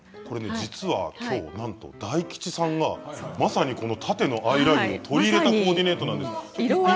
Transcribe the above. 実はきょう大吉さんがまさに縦のＩラインを取り入れたコーディネートなんです。